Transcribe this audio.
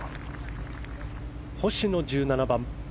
星野、１７番。